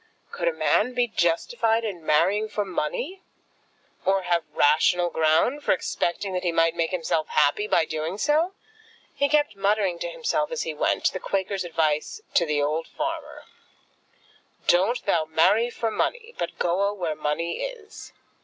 Could a man be justified in marrying for money, or have rational ground for expecting that he might make himself happy by doing so? He kept muttering to himself as he went, the Quaker's advice to the old farmer, "Doan't thou marry for munny, but goa where munny is!"